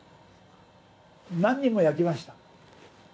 何人も焼きました。